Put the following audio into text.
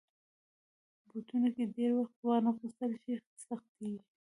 بوټونه که ډېر وخته وانهغوستل شي، سختېږي.